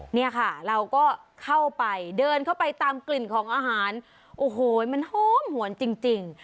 เนี่ยค่ะเราก็เข้าไปเดินเข้าไปตามกลิ่นของอาหารโอ้โหมันหอมหวนจริง